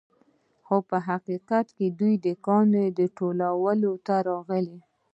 خو په حقیقت کې دوی د کانونو لوټولو ته راغلي